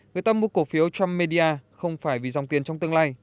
người ta mua cổ phiếu trump media không phải vì dòng tiền trong tương lai